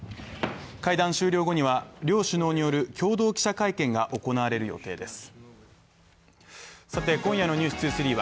会談終了後には、両首脳による共同記者会見が行われる予定です。